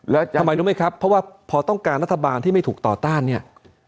แล้วทำไมรู้ไหมครับเพราะว่าพอต้องการรัฐบาลที่ไม่ถูกต่อต้านเนี่ย